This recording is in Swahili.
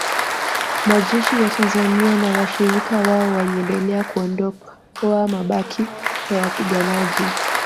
Majeshi ya Tanzania na washirika wao waliendelea kuondoa mabaki ya wapiganaji